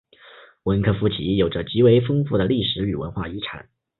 温科夫齐有着极为丰富的历史与文化遗产。